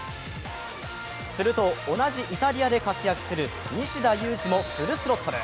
すると同じイタリアで活躍する西田有志もフルスロットル。